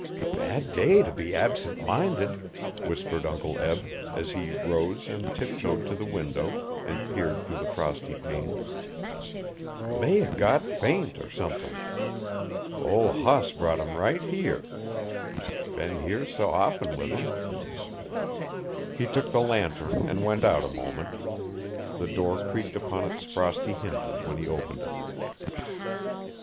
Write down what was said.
'Bad day t' be absent minded,' whispered Uncle Eb, as he rose and tiptoed to the window and peered through the frosty panes. 'May o' got faint er sumthin'. Ol' hoss brought 'im right here been here s' often with 'in'.' He took the lantern and went out a moment. The door creaked upon its frosty hinges when he opened it.